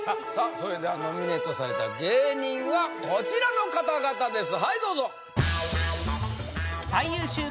それではノミネートされた芸人はこちらの方々です